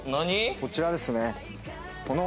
こちらです。